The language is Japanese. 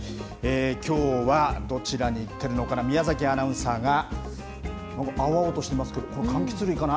きょうはどちらに行ってるのかな、宮崎アナウンサーが、なんか、青々としてますけど、これ、かんきつ類かな？